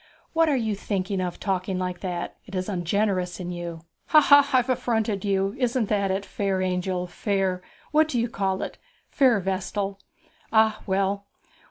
'What are you thinking of, talking like that? It is ungenerous in you.' 'Ha, ha! I've affronted you. Isn't that it, fair angel, fair what do you call it? fair vestal? Ah, well!